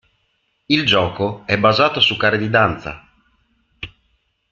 Il gioco è basato su gare di danza.